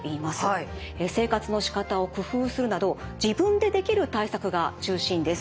生活のしかたを工夫するなど自分でできる対策が中心です。